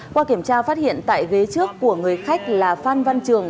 qua kiểm tra phát hiện tại ghế trước của người khách là phan văn trường